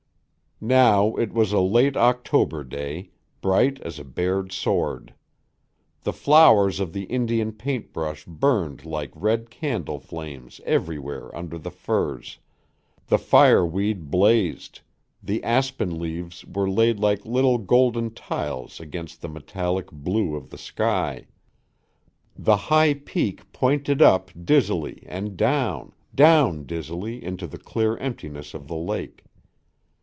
Now it was a late October day, bright as a bared sword. The flowers of the Indian paint brush burned like red candle flames everywhere under the firs, the fire weed blazed, the aspen leaves were laid like little golden tiles against the metallic blue of the sky. The high peak pointed up dizzily and down, down dizzily into the clear emptiness of the lake.